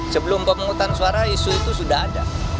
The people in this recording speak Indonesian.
sebelum pemungutan suara isu itu sudah ada